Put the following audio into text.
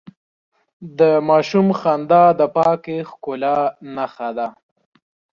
د ماشوم خندا د پاکې ښکلا نښه ده.